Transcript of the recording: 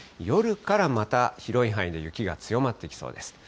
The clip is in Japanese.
夜からまた広い範囲で雪が強まっていきそうです。